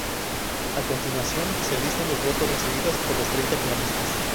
A continuación se listan los votos recibidos por los treinta finalistas.